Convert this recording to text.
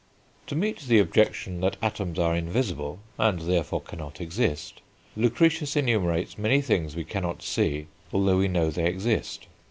To meet the objection that atoms are invisible, and therefore cannot exist, Lucretius enumerates many things we cannot see although we know they exist.